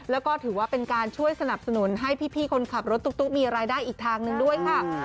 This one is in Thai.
แล้วก็ถือว่าเป็นการช่วยสนับสนุนให้พี่คนขับรถตุ๊กมีรายได้อีกทางหนึ่งด้วยค่ะ